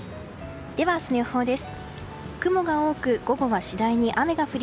では、明日の予報です。